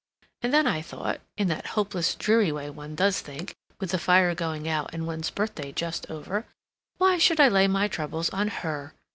and then I thought (in that hopeless, dreary way one does think, with the fire going out and one's birthday just over), 'Why should I lay my troubles on _her?